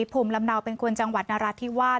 ภูมิลำเนาเป็นคนจังหวัดนราธิวาส